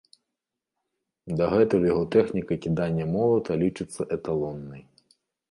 Дагэтуль яго тэхніка кідання молата лічыцца эталоннай.